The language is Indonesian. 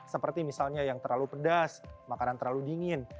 seperti misalnya yang terlalu pedas makanan terlalu dingin